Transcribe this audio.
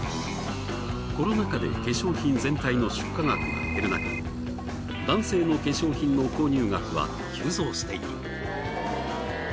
コロナ禍で化粧品全体の出荷額が減るなか男性の化粧品の購入額は急増している。